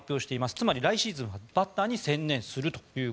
つまり、来シーズンはバッターに専念すると。